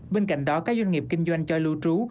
bên cạnh đó các doanh nghiệp kinh doanh cho lưu trú